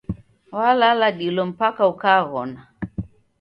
Walala dilo mpaka ukaghona.